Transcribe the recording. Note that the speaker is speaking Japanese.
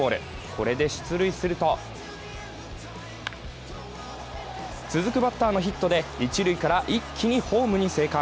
これで出塁すると続くバッターのヒットで一塁から一気にホームに生還。